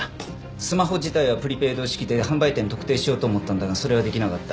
スマホ自体はプリペイド式で販売店特定しようと思ったんだがそれはできなかった。